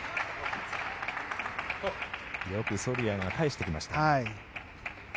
よくソルヤが返してきました。